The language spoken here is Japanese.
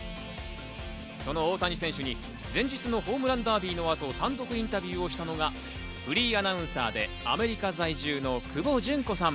その大谷選手に前日のホームランダービーの後、単独インタビューをしたのがフリーアナウンサーでアメリカ在住の久保純子さん。